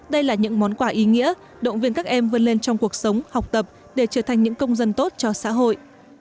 đây là những món quà ý nghĩa động viên các em vươn lên trong cuộc sống học tập để trở thành những công dân tốt cho xã hội